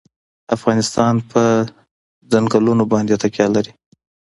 افغانستان په چنګلونه باندې تکیه لري.